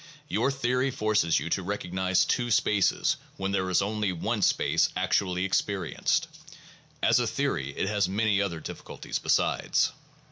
Your theory forces you to recognize two spaces when there is only one space actually experienced. As a theory it has many other difficulties besides.